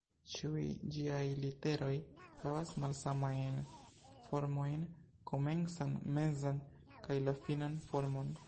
Ĉiuj ĝiaj literoj havas malsamajn formojn, komencan, mezan, kaj la finan formon.